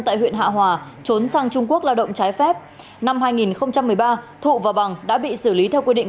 tại huyện hạ hòa trốn sang trung quốc lao động trái phép năm hai nghìn một mươi ba thụ và bằng đã bị xử lý theo quy định